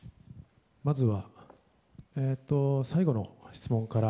まずは最後の質問から。